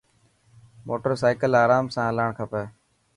موٽر سائڪل آرام سان هلاڻ کپي.